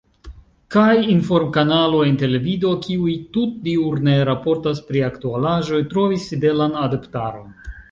Kaj inform-kanaloj en televido, kiuj tutdiurne raportas pri aktualaĵoj, trovis fidelan adeptaron.